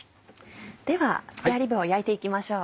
ではスペアリブを焼いて行きましょう。